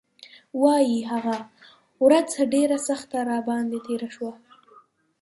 وايي هغه ورځ ډېره سخته راباندې تېره شوه.